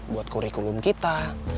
buat kurikulum kita